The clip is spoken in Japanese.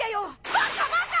バカバカ！